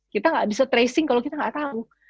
kita nggak bisa tracing kalau kita nggak tahu